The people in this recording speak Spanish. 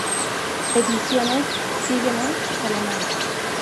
Ediciones Sígueme.Salamanca.